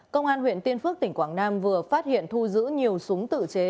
công an huyện tiên phước tỉnh quảng nam vừa phát hiện thu giữ nhiều súng tự chế